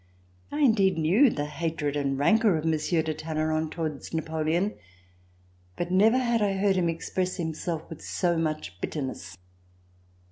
1 in deed knew the hatred and rancor of Monsieur de Talleyrand towards Napoleon, but never had I heard him express himself with so much bitterness.